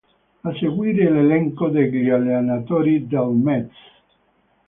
A seguire l'elenco degli allenatori del Metz.